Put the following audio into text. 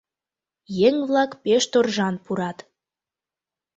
Еҥ-влак пеш торжан пурат.